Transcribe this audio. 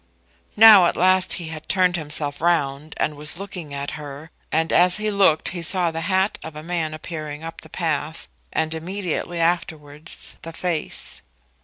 Now at last he had turned himself round and was looking at her, and as he looked he saw the hat of a man appearing up the path, and immediately afterwards the face.